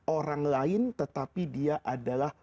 orang lain tetapi dia adalah